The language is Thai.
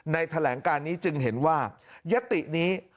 แถลงการนี้จึงเห็นว่ายตินี้